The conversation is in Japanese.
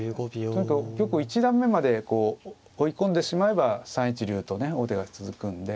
とにかく玉を一段目まで追い込んでしまえば３一竜とね王手が続くんで。